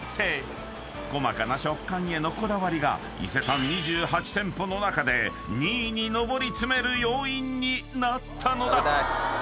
［細かな食感へのこだわりが伊勢丹２８店舗の中で２位に上り詰める要因になったのだ］